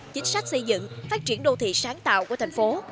chính sách xây dựng phát triển đô thị sáng tạo của thành phố